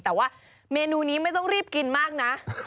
แต่ว่าเมนูนี้ไม่ต้องรีบกินมากนะ